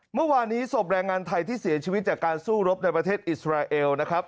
เมื่อวานี้ศพแรงงานไทยที่เสียชีวิตจากการสู้รบในประเทศอิสราเอลนะครับ